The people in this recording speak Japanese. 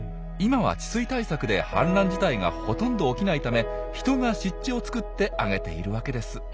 今は治水対策で氾濫自体がほとんど起きないため人が湿地を作ってあげているわけです。